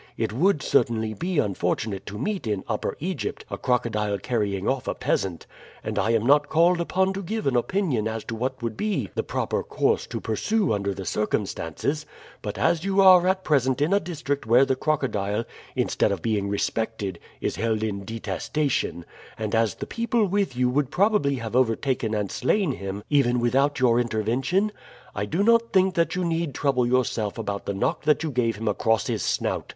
It would certainly be unfortunate to meet in Upper Egypt a crocodile carrying off a peasant, and I am not called upon to give an opinion as to what would be the proper course to pursue under the circumstances; but as you are at present in a district where the crocodile, instead of being respected, is held in detestation, and as the people with you would probably have overtaken and slain him even without your intervention, I do not think that you need trouble yourself about the knock that you gave him across his snout.